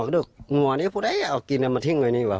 กระดึกหัวนี้พูดเฮ้ยเอากินเอามาทิ้งไว้นี้ว่ะ